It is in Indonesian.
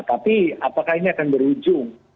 tapi apakah ini akan berujung